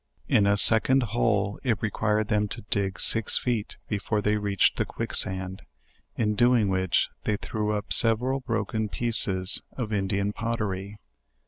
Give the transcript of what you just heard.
In a second hole it required them to dig six feet be fore they reached the quick sand, in doing which they threw up several broken pieces of Indian pottery.